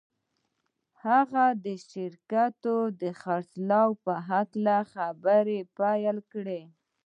هغه د شرکت د خرڅلاو په هکله خبرې پیل کړې